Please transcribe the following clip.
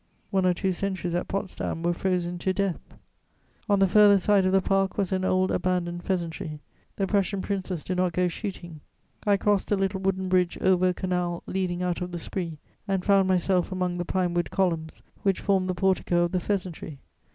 One or two sentries at Potsdam were frozen to death. On the further side of the park was an old abandoned pheasantry: the Prussian princes do not go shooting. I crossed a little wooden bridge over a canal leading out of the Spree and found myself among the pine wood columns which form the portico of the pheasantry.